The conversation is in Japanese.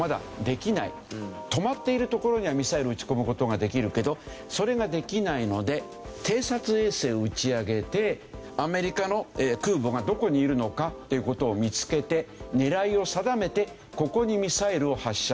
止まっている所にはミサイル撃ち込む事ができるけどそれができないので偵察衛星を打ち上げてアメリカの空母がどこにいるのかっていう事を見つけて狙いを定めてここにミサイルを発射する。